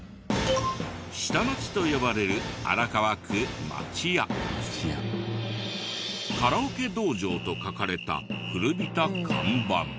下町と呼ばれる「カラオケ道場」と書かれた古びた看板。